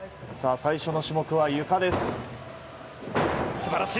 最初の種目はゆかです。